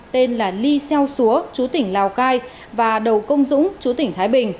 tên là ly xeo xúa chú tỉnh lào cai và đầu công dũng chú tỉnh thái bình